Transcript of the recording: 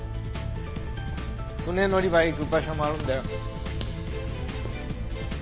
船乗り場へ行く馬車もあるんだよ。